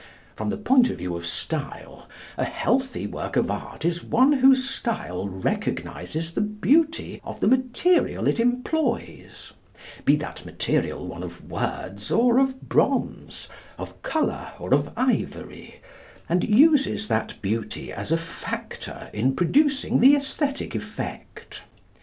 From the point of view of style, a healthy work of art is one whose style recognises the beauty of the material it employs, be that material one of words or of bronze, of colour or of ivory, and uses that beauty as a factor in producing the æsthetic effect.